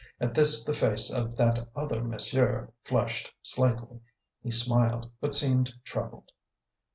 At this the face of "that other monsieur" flushed slightly; he smiled, but seemed troubled.